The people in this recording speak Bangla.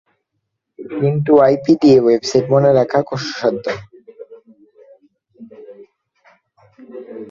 কিন্তু আইপি দিয়ে ওয়েবসাইট মনে রাখা কষ্টসাধ্য।